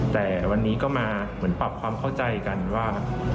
แต่วันนี้ก็มาเหมือนปรับความเข้าใจกันว่า